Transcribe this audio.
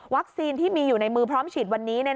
ที่มีอยู่ในมือพร้อมฉีดวันนี้